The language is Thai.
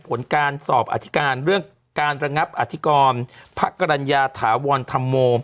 ผลการสอบอธิการเรื่องการระงับอธิกรพระกรรณญาถาวรธรรมโม